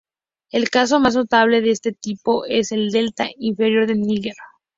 El caso más notable de este tipo es el delta interior del Níger.